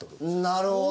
なるほど。